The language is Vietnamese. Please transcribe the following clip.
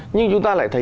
nhưng chúng ta lại thấy